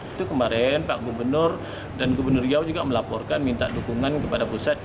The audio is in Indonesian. itu kemarin pak gubernur dan gubernur riau juga melaporkan minta dukungan kepada pusat